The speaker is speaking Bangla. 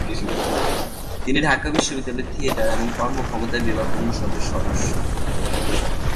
তিনি ঢাকা বিশ্ববিদ্যালয়ের থিয়েটার এবং কর্মক্ষমতা বিভাগ অনুষদের সদস্য।